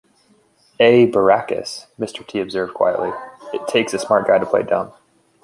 A. Baracus, Mr. T observed quietly, It takes a smart guy to play dumb.